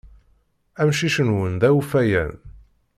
Amcic-nwen d awfayan.